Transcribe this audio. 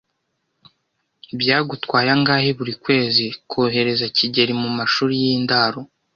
Byagutwaye angahe buri kwezi kohereza kigeli mumashuri yindaro?